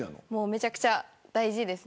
めちゃくちゃ大事です。